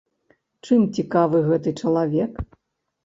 Чым цікавы гэты чалавек?